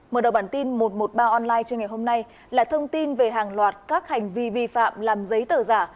mở đầu bản tin một trăm một mươi ba online trên ngày hôm nay là thông tin về hàng loạt các hành vi vi phạm làm giấy tờ giả